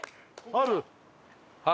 ある！